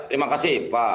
terima kasih pak